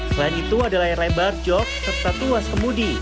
selain itu ada layar lebar jok serta tuas kemudi